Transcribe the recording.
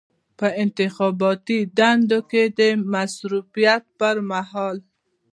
په انتخاباتي دندو کې د مصروفیت پر مهال.